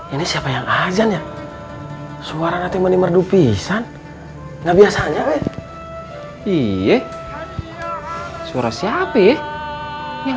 ini siapa yang ajan ya suara nanti menimerdu pisan nggak biasanya iye suruh siapih yang